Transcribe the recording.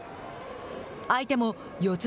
相手も四つ